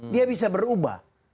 dia bisa berubah